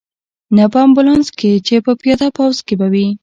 نه په امبولانس کې، چې په پیاده پوځ کې به وې.